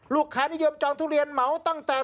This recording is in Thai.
ลูกค้านิยมจองทุเรียนเหมาตั้งแต่